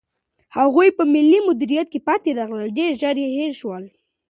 هغوی چې په مالي مدیریت کې پاتې راغلل، ډېر ژر هېر شول.